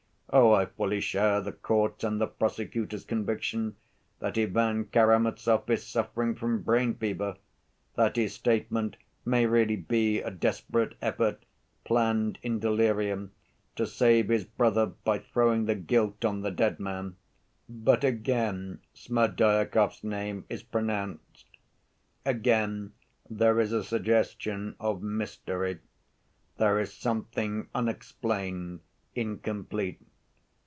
Oh, I fully share the court's and the prosecutor's conviction that Ivan Karamazov is suffering from brain fever, that his statement may really be a desperate effort, planned in delirium, to save his brother by throwing the guilt on the dead man. But again Smerdyakov's name is pronounced, again there is a suggestion of mystery. There is something unexplained, incomplete.